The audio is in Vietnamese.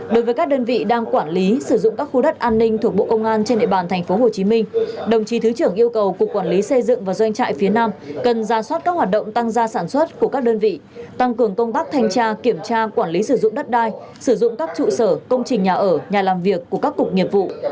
đối với các đơn vị đang quản lý sử dụng các khu đất an ninh thuộc bộ công an trên địa bàn tp hcm đồng chí thứ trưởng yêu cầu cục quản lý xây dựng và doanh trại phía nam cần ra soát các hoạt động tăng gia sản xuất của các đơn vị tăng cường công tác thanh tra kiểm tra quản lý sử dụng đất đai sử dụng các trụ sở công trình nhà ở nhà làm việc của các cục nghiệp vụ